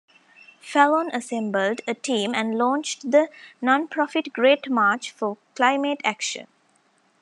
Fallon assembled a team and launched the non-profit, Great March for Climate Action.